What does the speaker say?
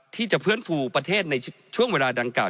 ที่จะฟื้นฟูประเทศในช่วงเวลาดังกล่า